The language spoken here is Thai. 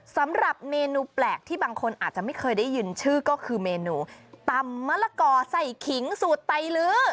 สำหรับเมนูแปลกที่บางคนอาจจะไม่เคยได้ยินชื่อก็คือเมนูตำมะละกอใส่ขิงสูตรไตลื้อ